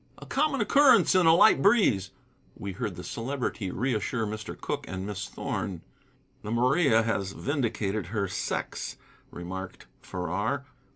"A common occurrence in a light breeze," we heard the Celebrity reassure Mr. Cooke and Miss Thorn. "The Maria has vindicated her sex," remarked Farrar.